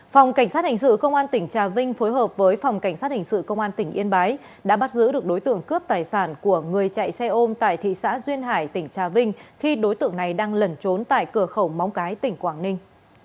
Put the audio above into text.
phòng cảnh sát hình sự công an tỉnh trà vinh phối hợp với phòng cảnh sát hình sự công an tỉnh yên bái đã bắt giữ được đối tượng cướp tài sản của người chạy xe ôm tại thị xã duyên hải tỉnh trà vinh khi đối tượng này đang lẩn trốn tại cửa khẩu móng cái tỉnh quảng ninh